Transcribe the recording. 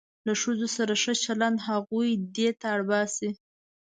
له ښځو سره ښه چلند هغوی دې ته اړ باسي.